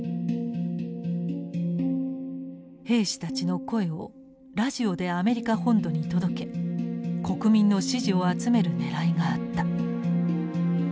兵士たちの声をラジオでアメリカ本土に届け国民の支持を集めるねらいがあった。